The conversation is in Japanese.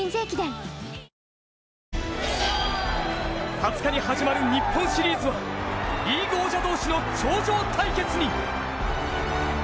２０日に始まる、日本シリーズはリーグ王者同士の頂上対決に。